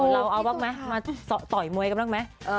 เราเอาบ้างไหมมาต่อยมวยกันบ้างไหม